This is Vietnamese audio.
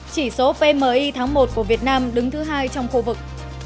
chỉ số pmi tháng một của việt nam đứng thứ hai trong khu vực